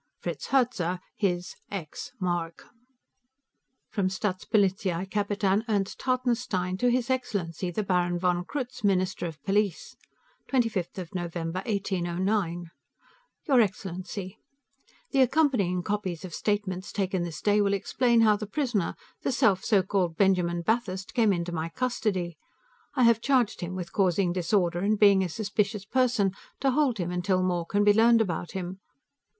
Fritz Herzer his (x) mark (From Staatspolizeikapitan Ernst Hartenstein, to His Excellency, the Baron von Krutz, Minister of Police.) 25 November, 1809 Your Excellency: The accompanying copies of statements taken this day will explain how the prisoner, the self so called Benjamin Bathurst, came into my custody. I have charged him with causing disorder and being a suspicious person, to hold him until more can be learned about him.